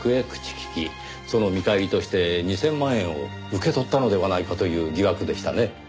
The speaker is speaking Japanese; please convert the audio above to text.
その見返りとして２０００万円を受け取ったのではないかという疑惑でしたね。